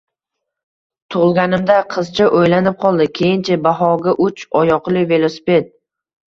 Tug'ilganimda. — Qizcha o'ylanib qoldi. — Keyin-chi, Bahoga uch oyoqli velosiped